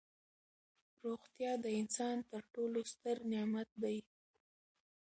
روغتیا د انسان تر ټولو ستر نعمت دی.